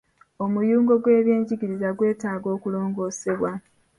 Omuyungo gw'ebyenjigiriza gwetaaga okulongoosebwa.